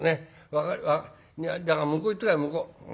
分かるだから向こう行って下さい向こう」。